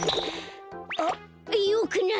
あっよくない！